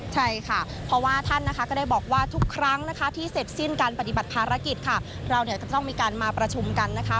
ใช่ค่ะเพราะว่าท่านนะคะก็ได้บอกว่าทุกครั้งนะคะที่เสร็จสิ้นการปฏิบัติภารกิจค่ะเราเนี่ยจะต้องมีการมาประชุมกันนะคะ